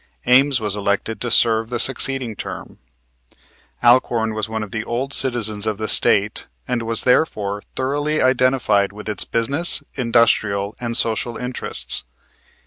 Ames was elected to serve the succeeding term. Alcorn was one of the old citizens of the State, and was therefore thoroughly identified with its business, industrial, and social interests.